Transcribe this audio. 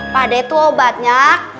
pak d tuh obatnya kucurin aja aja